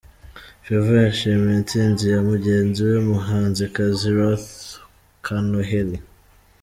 Favor yishimira intsinzi ya mugenzi we w'umuhanzikazi Ruth Kanoheli.